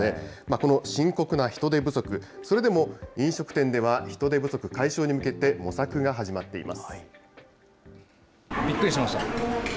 この深刻な人手不足、それでも飲食店では、人手不足解消に向けて、模索が始まっています。